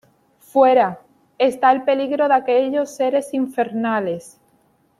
Fuera, está el peligro de aquellos seres infernales.